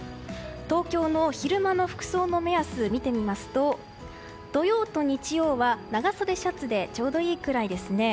東京の昼間の服装の目安を見てみますと土曜と日曜は長袖シャツでちょうどいいくらいですね。